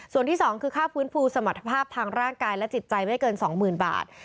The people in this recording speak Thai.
ส่วนที่๒คือค่าฟื้นฟูสมรรถภาพทางร่างกายและจิตใจไม่เกิน๒๐๐๐บาท